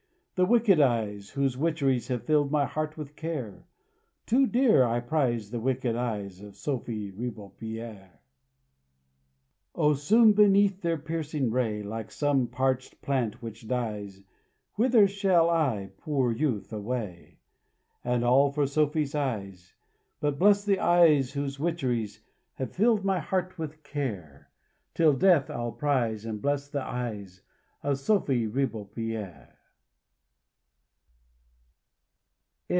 The wicked eyes, whose witcheries Have filled my heart with care; Too dear I prize the wicked eyes Of Sophy Ribeaupierre. O, soon beneath their piercing ray, Like some parched plant which dies, Wither shall I, poor youth, away? And all for Sophy's eyes. But bless the eyes, whose witcheries Have filled my heart with care; Till Death I'll prize and bless the eyes Of Sophy Ribeaupierre.